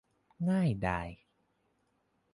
ง่ายดาย